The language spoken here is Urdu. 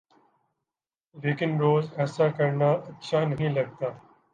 لیکن روز ایسا کرنا اچھا نہیں لگتا۔